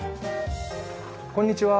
こんにちは。